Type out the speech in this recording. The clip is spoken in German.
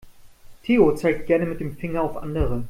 Theo zeigt gerne mit dem Finger auf andere.